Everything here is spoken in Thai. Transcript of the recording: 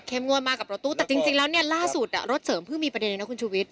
งวดมากับรถตู้แต่จริงแล้วเนี่ยล่าสุดรถเสริมเพิ่งมีประเด็นเลยนะคุณชุวิต